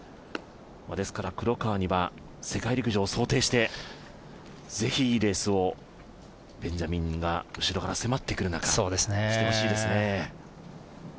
ですから黒川には世界陸上を想定してぜひ、いいレースをベンジャミンが後ろから迫ってくる中してほしいですね。